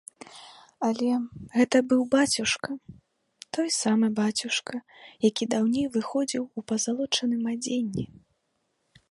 Але, гэта быў бацюшка, той самы бацюшка, які даўней выходзіў у пазалочаным адзенні.